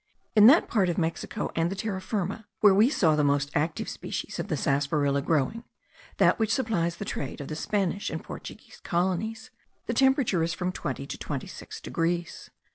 In that part of Mexico, and the Terra Firma, where we saw the most active species of the sarsaparilla growing (that which supplies the trade of the Spanish and Portuguese colonies), the temperature is from twenty to twenty six degrees.